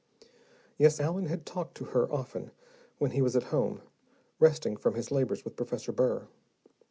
Yes, Allen had talked to her often when he was at home, resting from his labors with Professor Burr.